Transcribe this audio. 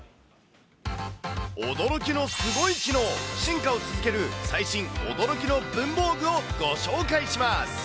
驚きのすごい機能、進化を続ける最新驚きの文房具をご紹介します。